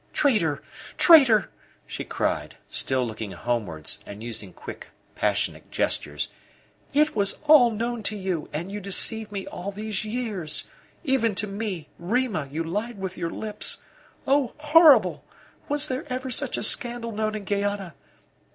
"Traitor! Traitor!" she cried, still looking homewards and using quick, passionate gestures. "It was all known to you, and you deceived me all these years; even to me, Rima, you lied with your lips! Oh, horrible! Was there ever such a scandal known in Guayana?